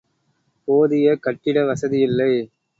போதிய கட்டிட வசதியில்லை.